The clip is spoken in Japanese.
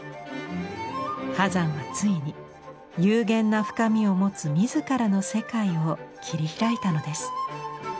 波山はついに幽玄な深みを持つ自らの世界を切り開いたのです。